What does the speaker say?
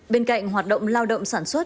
bên cạnh hoạt động lao động sản xuất